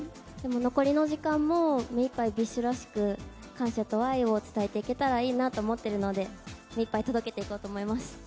残りの時間も目一杯ＢｉＳＨらしく感謝と愛を伝えていけたらいいなと思っているので目一杯届けていこうと思います。